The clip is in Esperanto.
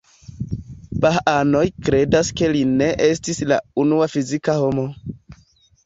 Bahaanoj kredas ke li ne estis la unua fizika homo.